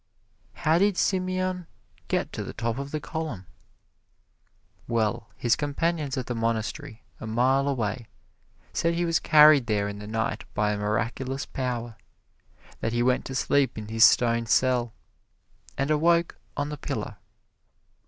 How did Simeon get to the top of the column? Well, his companions at the monastery, a mile away, said he was carried there in the night by a miraculous power; that he went to sleep in his stone cell and awoke on the pillar.